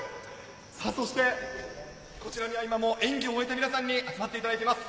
そしてこちらには今も演技を終えた皆さんに集まっていただいています。